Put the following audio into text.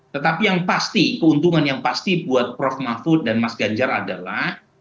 tetapi yang pasti keuntungan yang pasti buat prof mahfud dan mas ganjar adalah